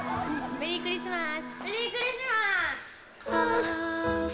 メリークリスマス。